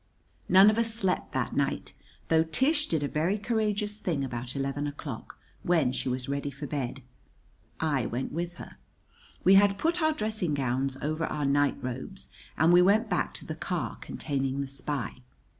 None of us slept that night though Tish did a very courageous thing about eleven o'clock, when she was ready for bed. I went with her. We had put our dressing gowns over our nightrobes, and we went back to the car containing the spy.